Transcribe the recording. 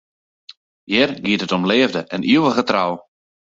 Hjir giet it om leafde en ivige trou.